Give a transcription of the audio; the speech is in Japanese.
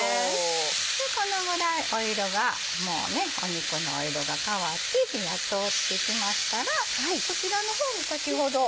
このぐらい色が肉の色が変わって火が通ってきましたらこちらの方に先ほど。